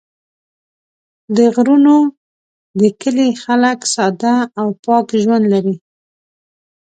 د غرونو د کلي خلک ساده او پاک ژوند لري.